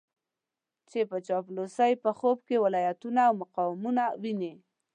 چې په چاپلوسۍ په خوب کې ولايتونه او مقامونه ويني.